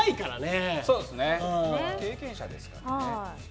経験者ですからね。